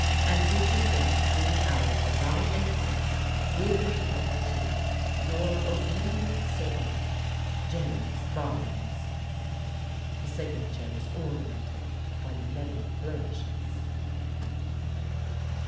and reaching there between the hours of 9 and 6, will be delivered to " Your obedient servant, " James Barnes." The signature was ornamented by many flourishes.